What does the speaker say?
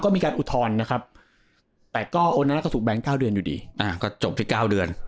ก็มีการอุทธรณ์นะครับแต่ก็โอนานะก็ถูกแบนส์เก้าเดือนอยู่ดีอ่าก็จบที่เก้าเดือน